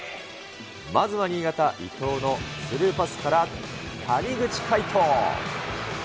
まずは新潟、伊藤のスルーパスから谷口海斗。